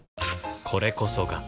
これこそが